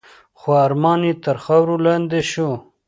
خو ارمان یې تر خاورو لاندي شو .